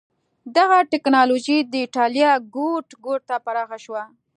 دغه ټکنالوژي د اېټالیا ګوټ ګوټ ته پراخه شوه.